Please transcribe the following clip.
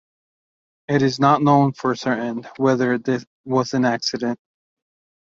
It is not known for certain whether this was an accident.